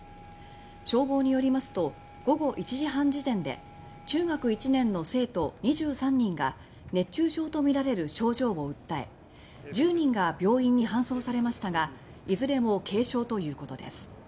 消防によりますと午後１時半時点で中学１年の生徒２３人が熱中症とみられる症状を訴え１０人が病院に搬送されましたがいずれも軽症ということです。